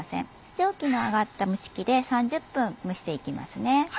蒸気の上がった蒸し器で３０分蒸していきますね。